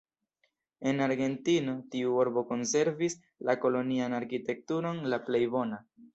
En Argentino tiu urbo konservis la kolonian arkitekturon la plej bona.